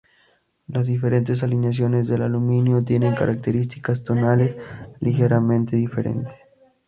Las diferentes aleaciones de aluminio tienen características tonales ligeramente diferentes.